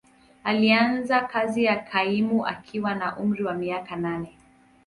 Alianza kazi ya kaimu akiwa na umri wa miaka nane.